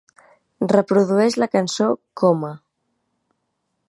Reprodueix la cançó Coma